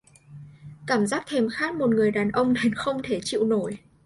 Cảm giác thèm khát một người đàn ông đến không thể chịu nổi